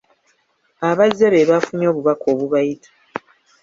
Abazze be baafunye obubaka obubayita.